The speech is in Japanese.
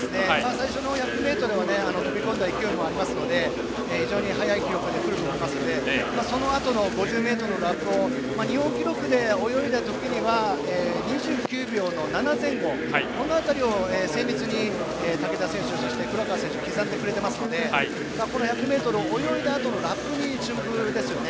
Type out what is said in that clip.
最初の１００ｍは、飛び込んだ勢いもありますので非常に速い記録で来ると思いますのでそのあとの５０ｍのラップを日本記録で泳いだ時には２９秒の７前後この辺りを先日に竹田選手、黒川選手が刻んでくれていますので１００ｍを泳いだあとのラップに注目ですよね。